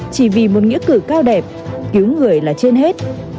chỉ vì một nghĩa cử cao đẹp cứu người là trên hết